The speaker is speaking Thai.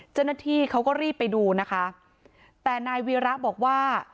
เจ้าหน้าที่เขาก็รีบไปดูนะคะแต่นายวีระบอกว่า